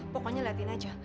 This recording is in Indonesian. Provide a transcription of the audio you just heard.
pokoknya liatin aja